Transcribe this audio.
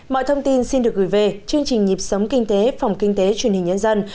mọi thông tin xin được gửi về chương trình nhịp sống kinh tế phòng kinh tế truyền hình nhân dân